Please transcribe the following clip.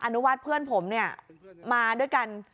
นุวัฒน์เพื่อนผมเนี่ยมาด้วยกัน